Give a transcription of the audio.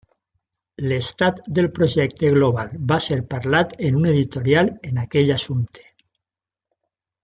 L'estat del projecte global va ser parlat en un Editorial en aquell assumpte.